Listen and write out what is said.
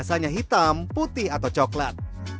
rasanya hitam putih atau coklat